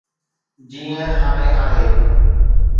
جيئن هاڻي آهي.